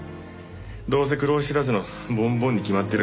どうせ苦労知らずのボンボンに決まってる。